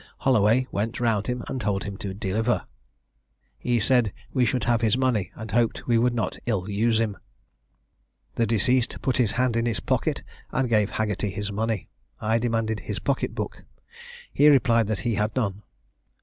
Holloway went round him, and told him to deliver. He said we should have his money, and hoped we would not ill use him. The deceased put his hand in his pocket, and gave Haggerty his money. I demanded his pocket book. He replied that he had none.